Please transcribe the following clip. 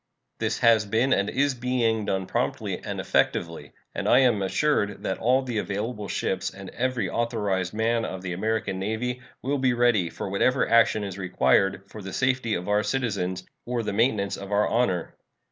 This has been and is being done promptly and effectively, and I am assured that all the available ships and every authorized man of the American Navy will be ready for whatever action is required for the safety of our citizens or the maintenance of our honor.